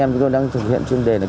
anh không thể thổi đâu ạ